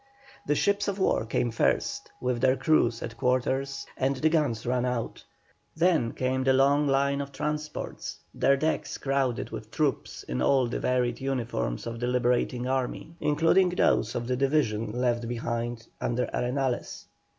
The ships of war came first, with their crews at quarters and the guns run out. Then came the long line of transports, their decks crowded with troops in all the varied uniforms of the Liberating Army, including those of the division left behind under Arenales.